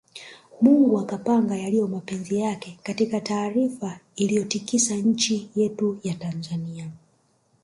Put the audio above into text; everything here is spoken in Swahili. Mungu akapanga yaliyo mapenzi yake Katika taarifa iliyotikisa nchi yetu ya Tanzania